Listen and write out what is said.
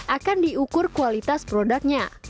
akan diukur kualitas produknya